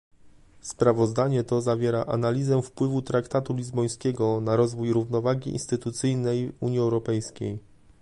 Sprawozdanie to zawiera analizę wpływu traktatu lizbońskiego na rozwój równowagi instytucyjnej Unii Europejskiej